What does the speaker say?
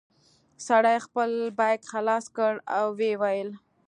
سړي خپل بېګ خلاص کړ ويې ويل.